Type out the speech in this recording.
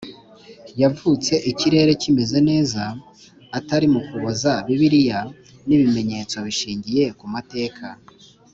yavutse ikirere kimeze neza atari mu Kuboza Bibiliya n ibimenyetso bishingiye ku mateka